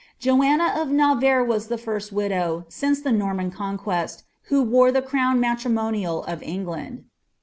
Joanna of Navarre was the first widow, since the NorruM MOMMt who wore the crown mairimoDial of England.